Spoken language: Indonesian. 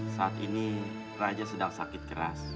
saat ini raja sedang sakit keras